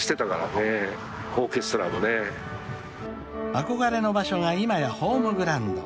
［憧れの場所が今やホームグラウンド］